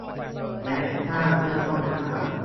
และถ้าไม่ "ต้อง" ข้าม